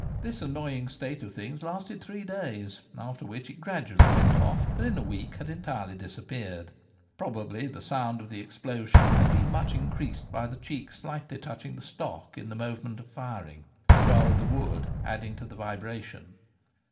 This annoying state of things lasted three days, after which it gradually went off, and in a week had entirely disappeared. Probably the sound of the explosion had been much increased by the cheek slightly touching the stock in the moment of firing, the jar of the wood adding to the vibration.